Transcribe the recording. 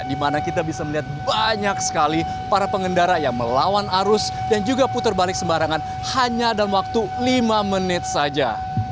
di mana kita bisa melihat banyak sekali para pengendara yang melawan arus dan juga puter balik sembarangan hanya dalam waktu lima menit saja